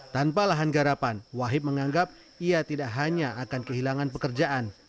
tanpa lahan garapan wahib menganggap ia tidak hanya akan kehilangan pekerjaan